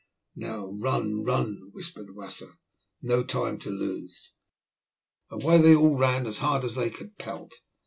"Now run, run," whispered Wasser, "no moment lose." Away they all ran as hard as they could pelt.